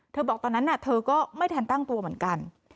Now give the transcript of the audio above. บอกตอนนั้นเธอก็ไม่ทันตั้งตัวเหมือนกัน